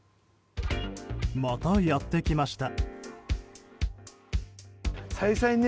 またやってきました。